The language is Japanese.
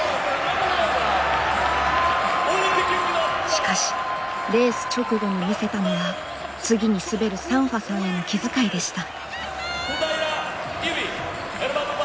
しかしレース直後に見せたのは次に滑るサンファさんへの気遣いでした。